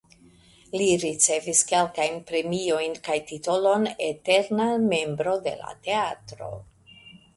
Li ricevis kelkajn premiojn kaj titolon "eterna membro de la teatro".